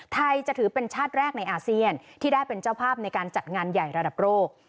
ไทยจะถือเป็นชาติแรกในอาเซียนที่ได้เป็นเจ้าภาพในการจัดงานใหญ่ระดับโลก